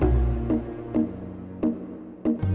awas awas jangan berpegang